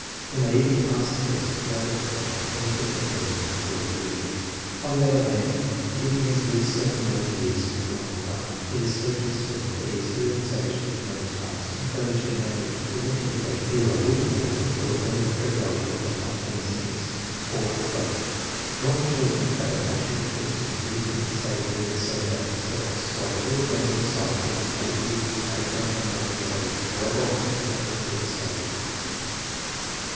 He may even pass the test without attaching any definite meaning to the word " year. 5 ' On the other hand, if he has lived seven or eight years in a normal environment, it is safe to assume that he has heard his age given many times, and failure to remember it would then indicate either a weak memory or a grave inferiority of spontaneous interests, or both. Normal children have a natural interest in the things they hear said about themselves, while the middle grade im becile of even 40 years may fail to remember his age, how ever often he may have heard it stated.